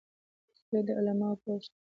خولۍ د علماو پوښ دی.